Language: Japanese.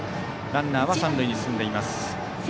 ランナーは三塁に進んでいます。